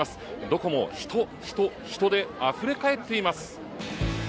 どこも人、人、人であふれ返っています。